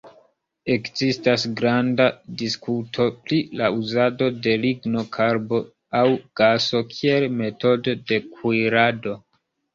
Ekzistas granda diskuto pri la uzado de lignokarbo aŭ gaso kiel metodo de kuirado.